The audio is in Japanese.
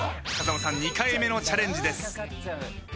風間さん２回目のチャレンジです。